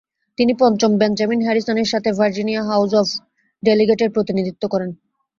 তিনি পঞ্চম বেঞ্জামিন হ্যারিসনের সাথে ভার্জিনিয়া হাউজ অব ডেলিগেটের প্রতিনিধিত্ব করেন।